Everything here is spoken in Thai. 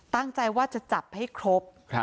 ตั้งใจว่าจะจับให้ครบ